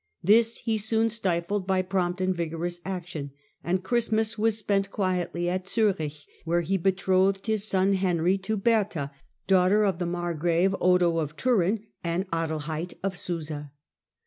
This he soon stifled by prompt and vigorous action, and Christmas was spent quietly at Ztirich, where he betrothed his son Henry to Bertha, daughter of the margrave Odo of Turin and Adelheid of Susa.